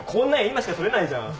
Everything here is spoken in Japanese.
今しか撮れないじゃん。